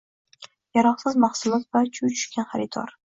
Yaroqsiz mahsulot va chuv tushgan haridorng